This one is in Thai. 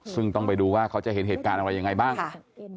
ซึ่งต้องไปดูว่าเขาจะเห็นเหตุการณ์อะไรยังไงบ้างค่ะ